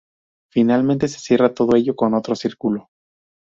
Finalmente se cierra todo ello con otro círculo.